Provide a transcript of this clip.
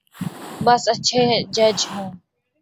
بس اچھے جج ہوں۔